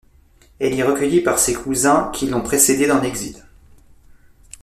Elle y est recueillie par ses cousins qui l'ont précédée dans l'exil.